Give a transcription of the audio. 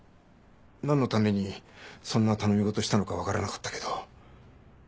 なんのためにそんな頼み事をしたのかわからなかったけど。